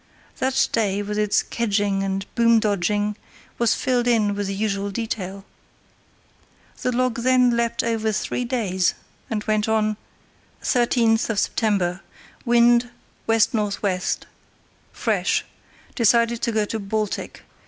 That day, with its "kedging" and "boom dodging", was filled in with the usual detail. The log then leapt over three days, and went on: "Sept. 13. Wind W.N.W. fresh. Decided to go to Baltic.